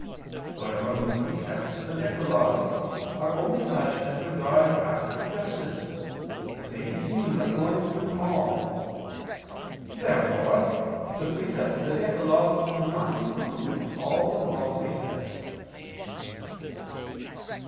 But among the precepts of the decalogue are only such as regard acts of justice; as may be seen by going through them all. Therefore the precepts of the decalogue do not include all the moral precepts.